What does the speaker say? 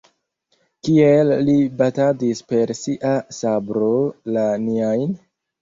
Kiel li batadis per sia sabro la niajn?